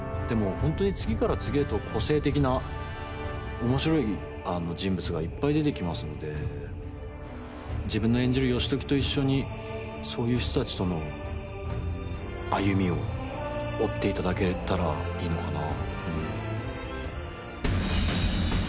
でも本当に次から次へと個性的なおもしろい人物がいっぱい出てきますので自分の演じる義時と一緒にそういう人たちとの歩みを追っていただけたらいいのかな。